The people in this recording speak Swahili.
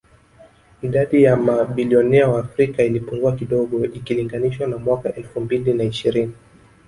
Idadi ya mabilionea wa Afrika ilipungua kidogo ikilinganishwa na mwaka elfu mbili na ishirini